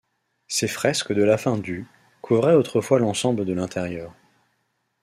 Ces fresques de la fin du couvraient autrefois l'ensemble de l'intérieur.